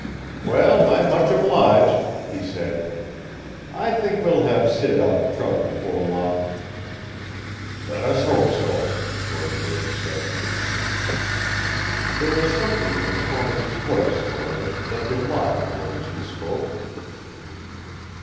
"Well, I'm much obliged," he said. "I think we'll have Sid out of trouble before long." "Let us hope so!" George Lerton said. There was something in the tone of his voice, however, that belied the words he spoke.